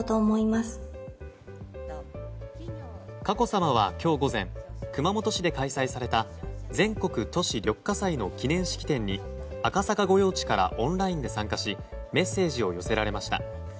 佳子さまは、今日午前熊本市で開催された全国都市緑化祭の記念式典に赤坂御用地からオンラインで参加しメッセージを寄せられました。